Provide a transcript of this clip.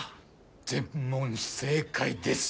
全問正解です。